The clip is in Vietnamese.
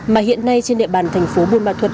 mà hiện nay trên địa bàn thành phố buôn ma thuật